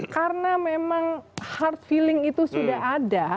karena memang hard feeling itu sudah ada